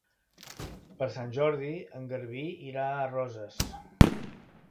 Per Sant Jordi en Garbí irà a Roses.